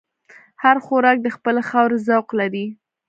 هر خوراک د خپلې خاورې ذوق لري.